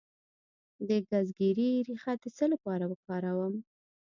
د ګزګیرې ریښه د څه لپاره وکاروم؟